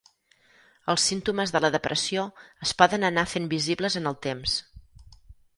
Els símptomes de la depressió es poden anar fent visibles en el temps.